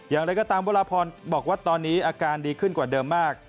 อย่างไรก็ตามวรพรบอกว่าตอนนี้อาการดีขึ้นกว่าเดิมมาก